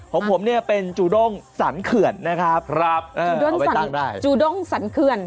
ผมผมเนี่ยเป็นจูด้งสันเขื่อนนะครับเออเอาไปตั้งได้จูด้งสันเขื่อน